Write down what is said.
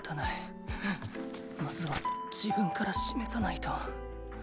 まずは自分から示さないと。